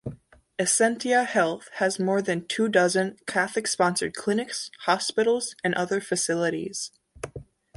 Essentia Health has more than two dozen Catholic-sponsored clinics, hospitals, and other facilities.